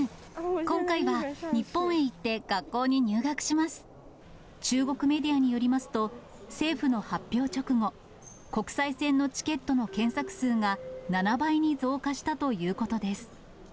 今回は日本へ行って学校に入学し中国メディアによりますと、政府の発表直後、国際線のチケットの検索数が７倍に増加したということです。